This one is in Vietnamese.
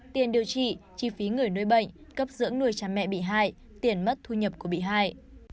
tiền điều trị chi phí người nuôi bệnh cấp dưỡng nuôi cha mẹ bị hại tiền mất thu nhập của bị hại